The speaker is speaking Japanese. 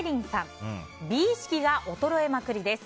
美意識が衰えまくりです。